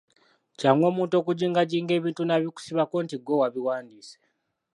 Kyangu omuntu okujingajinga ebintu n’abikusibako nti ggwe wabiwandiise.